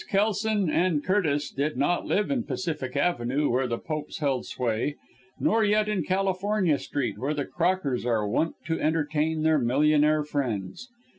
Kelson and Curtis did not live in Pacific Avenue where the Popes hold sway, nor yet in California Street where the Crockers are wont to entertain their millionaire friends.